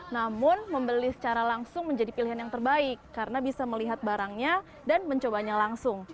namun membeli secara langsung menjadi pilihan yang terbaik karena bisa melihat barangnya dan mencobanya langsung